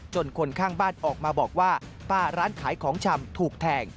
คนข้างบ้านออกมาบอกว่าป้าร้านขายของชำถูกแทง